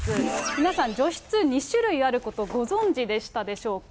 皆さん、除湿、２種類あることご存じでしたでしょうか。